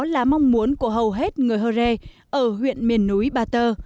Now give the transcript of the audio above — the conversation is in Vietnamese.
là mong muốn của hầu hết người hơ rê ở huyện miền núi ba tơ